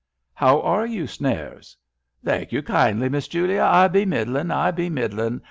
" How are you. Snares ?" "Thank you kindly. Miss Julia, I be middlin', I be middlin'.